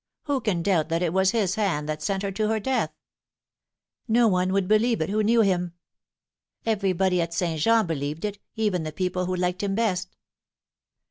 Who can doubt that it was his hand that sent her to her death ?"" No one would believe it who knew him." " Everybody at St. Jean believed it, even the people who liked him best."